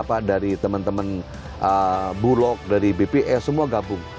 bahkan dari kadin juga dari teman teman bulog dari bps semua gabung